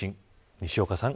西岡さん